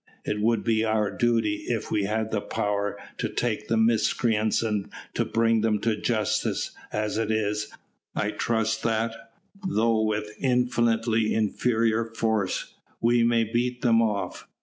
It would be our duty, if we had the power, to take the miscreants and to bring them to justice; as it is, I trust that, though with infinitely inferior force, we may beat them off.